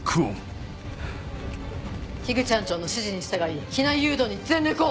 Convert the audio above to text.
口班長の指示に従い避難誘導に全力を。